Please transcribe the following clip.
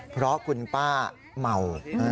เพราะคุณป้าเมา